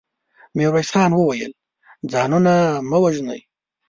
ميرويس خان وويل: ځانونه مه وژنئ.